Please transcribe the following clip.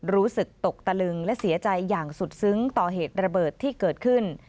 รู้สึกตกตะลึงและเสียใจอย่างสุดซึ้งต่อเหตุระเบิดที่เกิดขึ้น